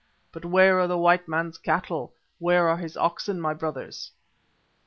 But where are the white man's cattle—where are his oxen, my brothers?"